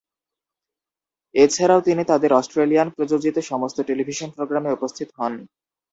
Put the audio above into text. এছাড়াও তিনি তাদের অস্ট্রেলিয়ান-প্রযোজিত সমস্ত টেলিভিশন প্রোগ্রামে উপস্থিত হন।